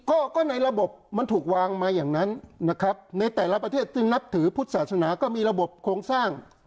ก็ก็ในระบบมันถูกวางมาอย่างนั้นนะครับในแต่ละประเทศซึ่งนับถือพุทธศาสนาก็มีระบบโครงสร้าง